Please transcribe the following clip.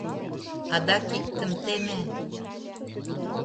Адак иктым теме...